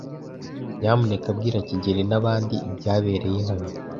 Nyamuneka bwira kigeli nabandi ibyabereye hano.